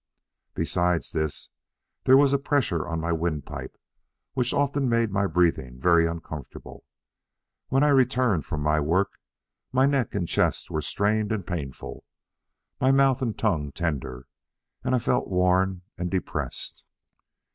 Besides this, there was a pressure on my windpipe, which often made my breathing very uncomfortable; when I returned from my work, my neck and chest were strained and painful, my mouth and tongue tender, and I felt worn and depressed.